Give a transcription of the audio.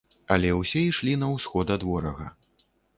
Але ўсе ішлі на ўсход ад ворага.